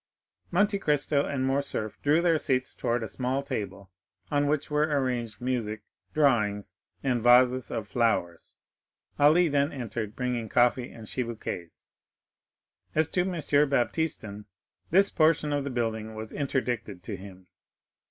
Monte Cristo and Morcerf drew their seats towards a small table, on which were arranged music, drawings, and vases of flowers. Ali then entered bringing coffee and chibouques; as to M. Baptistin, this portion of the building was interdicted to him.